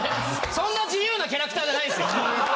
そんな自由なキャラクターじゃないっすよ！